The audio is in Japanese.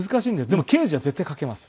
でも刑事は絶対書けます。